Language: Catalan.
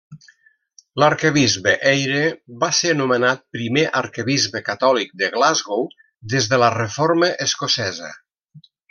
L'arquebisbe Eyre va ser nomenat primer arquebisbe catòlic de Glasgow des de la Reforma escocesa.